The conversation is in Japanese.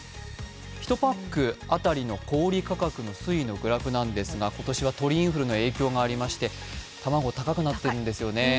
１パック当たりの小売り価格の推移のグラフですが今年は鳥インフルの影響がありまして卵高くなっているんですよね。